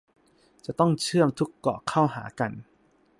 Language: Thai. จะต้องเชื่อมทุกเกาะเข้าหากัน